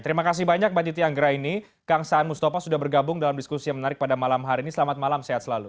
terima kasih banyak mbak titi anggraini kang saan mustafa sudah bergabung dalam diskusi yang menarik pada malam hari ini selamat malam sehat selalu